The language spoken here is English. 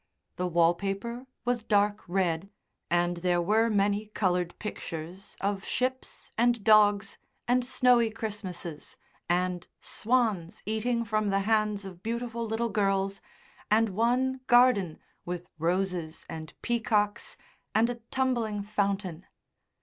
The wallpaper was dark red, and there were many coloured pictures of ships and dogs and snowy Christmases, and swans eating from the hands of beautiful little girls, and one garden with roses and peacocks and a tumbling fountain.